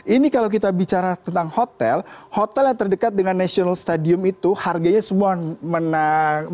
ini kalau kita bicara tentang hotel hotel yang terdekat dengan national stadium itu harganya sudah sepuluh juta rupiah